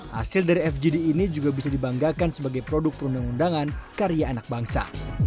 hasil dari fgd ini juga bisa dibanggakan sebagai produk perundang undangan karya anak bangsa